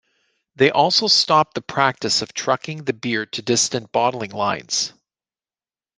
They also stopped the practice of trucking the beer to distant bottling lines.